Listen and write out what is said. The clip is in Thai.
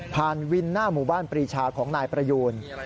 วินหน้าหมู่บ้านปรีชาของนายประยูน